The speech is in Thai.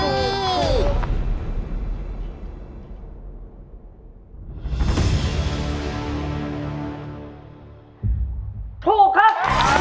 ถูกครับ